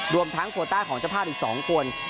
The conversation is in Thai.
รวมทั้งโคต้าของเจ้าภาพอีก๒คน